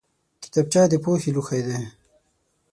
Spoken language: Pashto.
کتابچه د پوهې لوښی دی